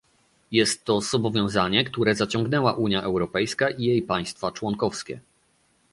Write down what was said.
Jest to zobowiązanie które zaciągnęła Unia Europejska i jej państwa członkowskie